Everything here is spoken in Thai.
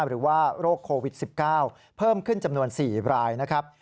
โรคโควิด๑๙เพิ่มขึ้นจำนวน๔รายนะครับ